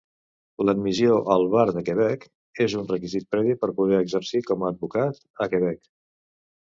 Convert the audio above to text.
L"admissió al Bar de Quebec és un requisit previ per poder exercir com advocat a Quebec.